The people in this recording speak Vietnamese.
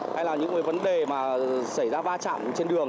hay là những cái vấn đề mà xảy ra va chạm trên đường